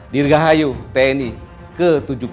dirgahayu tni ke tujuh puluh dua